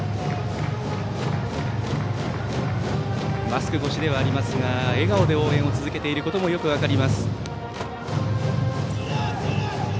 マスク越しではありますが笑顔で応援を続けていることもよく分かります。